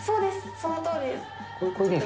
そのとおりです。